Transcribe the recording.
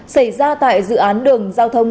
xảy ra tại dự án đường giao thông